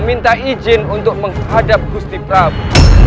minta izin untuk menghadap gusti prabu